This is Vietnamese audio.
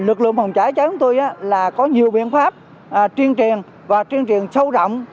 lực lượng phòng cháy cháy của tôi là có nhiều biện pháp truyền truyền và tuyên truyền sâu rộng